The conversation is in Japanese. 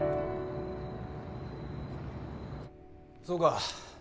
そうか。